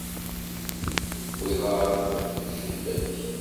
Tewwiḍ-aɣ deg ucebbak.